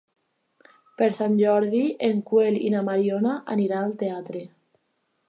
Per Sant Jordi en Quel i na Mariona aniran al teatre.